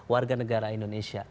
warga negara indonesia